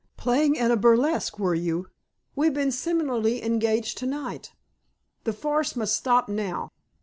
Playing in a burlesque, were you? We've been similarly engaged to night. The farce must stop now.